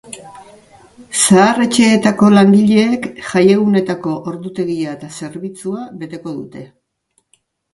Zahar-etxeetako langileek jaiegunetako ordutegia eta zerbitzua beteko dute.